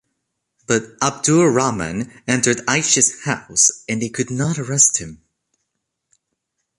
But 'Abdur Rahman entered 'Aisha's house and they could not arrest him.